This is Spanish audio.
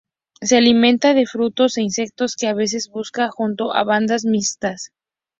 Se alimenta de frutos e insectos que a veces busca junto a bandadas mixtas.